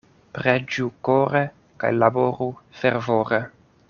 Preĝu kore kaj laboru fervore.